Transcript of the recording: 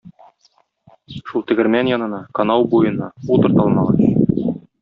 Шул тегермән янына, канау буена, утырт алмагач.